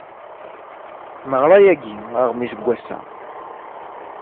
Neɣra yagi aɣmis n wass-a.